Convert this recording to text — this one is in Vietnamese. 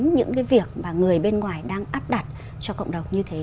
những cái việc mà người bên ngoài đang áp đặt cho cộng đồng như thế